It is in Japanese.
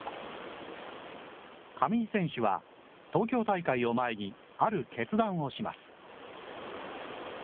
上地選手は、東京大会を前にある決断をします。